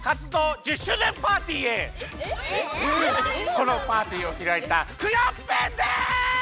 このパーティーをひらいたクヨッペンです！え！？